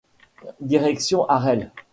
Direction Harel.